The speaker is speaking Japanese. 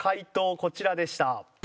こちらでした。